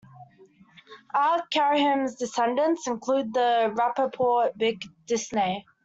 R. Khaim's descendants include the Rapoport-Bick dynasty.